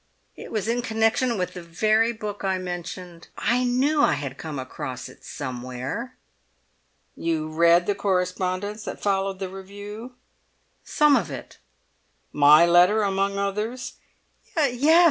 "It was in connection with the very book I mentioned. I knew I had come across it somewhere." "You read the correspondence that followed the review?" "Some of it." "My letter among others?" "Yes!